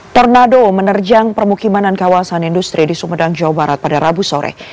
tornado menerjang permukiman dan kawasan industri di sumedang jawa barat pada rabu sore